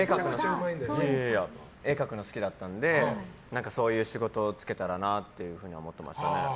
絵描くのが好きだったのでそういう仕事に就けたらなっていうふうには思ってましたね。